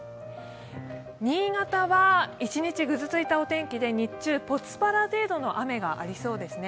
新潟は一日ぐずついたお天気で、日中、ポツパラ程度の雨がありそうですね。